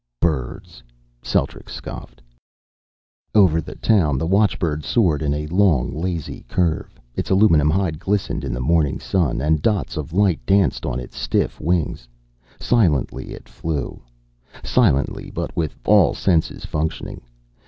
"Birds!" Celtrics scoffed. Over the town, the watchbird soared in a long, lazy curve. Its aluminum hide glistened in the morning sun, and dots of light danced on its stiff wings. Silently it flew. Silently, but with all senses functioning.